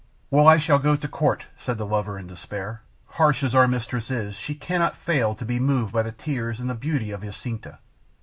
"Well, I shall go to Court," said the lover, in despair. "Harsh as our mistress is, she cannot fail to be moved by the tears and the beauty of Jacinta.